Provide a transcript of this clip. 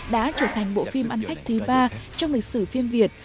đã trở thành bộ phim ăn khách thứ ba trong lịch sử phim việt